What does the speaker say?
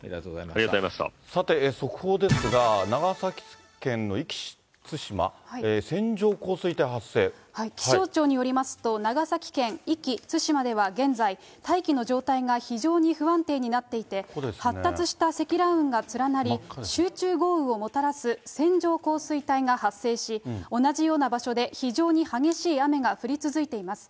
さて、速報ですが、長崎県の気象庁によりますと、長崎県壱岐・対馬では現在、大気の状態が非常に不安定になっていて、発達した積乱雲が連なり、集中豪雨をもたらす線状降水帯が発生し、同じような場所で非常に激しい雨が降り続いています。